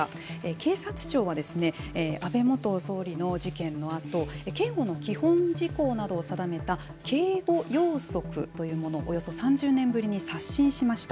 警察庁は安倍元総理の事件のあと警護の基本事項などを定めた警護要則というものをおよそ３０年ぶりに刷新しました。